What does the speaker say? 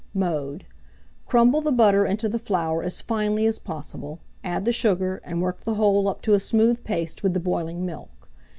Mode. Crumble the butter into the flour as finely as possible, add the sugar, and work the whole up to a smooth paste with the boiling milk.